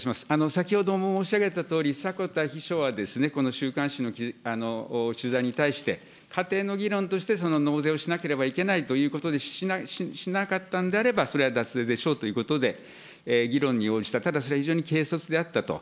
先ほど申し上げたとおり、迫田秘書は、この週刊誌の取材に対して、仮定の議論として、納税をしなければいけないということにしなかったんであれば、それは脱税でしょうということで、議論に応じた、ただそれ、非常に軽率であったと。